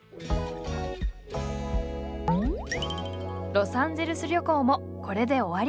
ロサンゼルス旅行もこれで終わり。